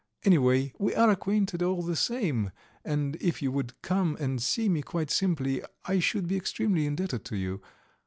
Anyway, we are acquainted all the same, and if you would come and see me quite simply I should be extremely indebted to you.